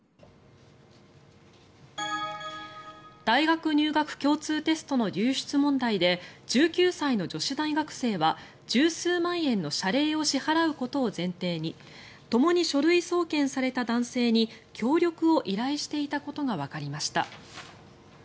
大学入学共通テストの流出問題で１９歳の女子大学生は１０数万円の謝礼を支払うことを前提にともに書類送検された男性に協力を依頼していたことがわかりました。